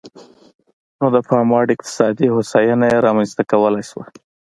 نو د پاموړ اقتصادي هوساینه یې رامنځته کولای شوه.